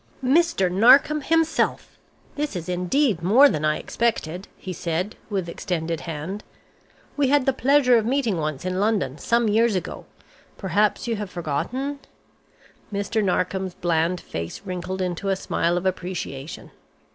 "Mr. Narkom himself! This is indeed more than I expected!" he said with extended hand. "We had the pleasure of meeting once in London, some years ago. Perhaps you have forgotten ?" Mr. Narkom's bland face wrinkled into a smile of appreciation.